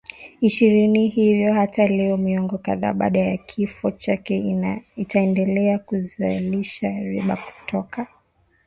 ishirini hivyo hata leo miongo kadhaa baada ya kifo chake itaendelea kuzalisha riba kutoka